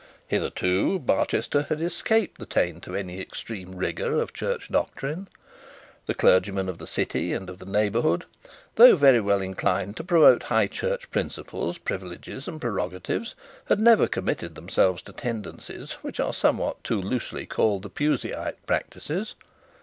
Hitherto Barchester had escaped the taint of any extreme rigour of church doctrine. The clergymen of the city and the neighbourhood, though very well inclined to promote high church principles, privileges, and prerogatives, had never committed themselves to tendencies, which are somewhat too loosely called Puseyite practices.